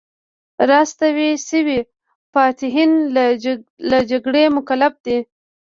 راستون شوي فاتحین له جګړې مکلف دي.